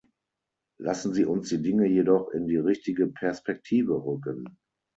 Lassen Sie uns die Dinge jedoch in die richtige Perspektive rücken.